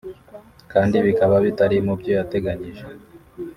kandi bikaba bitari mu byo yateganyije